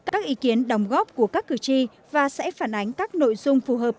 các ý kiến đồng góp của các cử tri và sẽ phản ánh các nội dung phù hợp